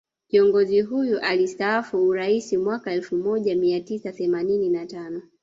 Kiongozi huyo alistaafu Uraisi mwaka elfu moja mia tisa themanini na tano